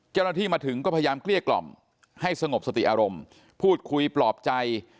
เจ้าหน้าที่มาถึงก็พยายามเกลี้ยกล่อมให้สงบสติอารมณ์พูดคุยปลอบใจ